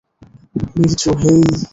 বীর্যু, হেই!